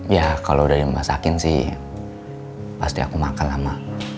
ya kalau udah dimasakin sih pasti aku makan lama